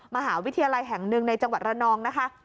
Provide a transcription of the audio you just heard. มหาวิทยาลัยแห่งหนึ่งในจังหวัดระนองนะคะ